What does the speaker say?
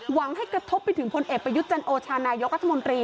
หวังให้กระทบไปถึงพลเอกประยุทธ์จันโอชานายกรัฐมนตรี